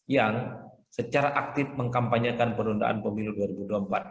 yang secara aktif mengkampanyekan penundaan pemilu dua ribu dua puluh empat